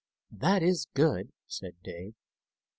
"That is good," said Dave.